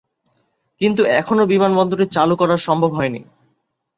কিন্তু এখনো বিমানবন্দরটি চালু করা সম্ভব হয়নি।